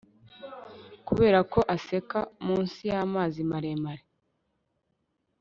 Kubera ko aseka munsi yamazi maremare